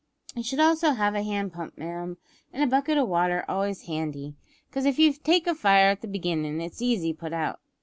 You should also have a hand pump, ma'am, and a bucket of water always handy, 'cause if you take a fire at the beginnin' it's easy put out.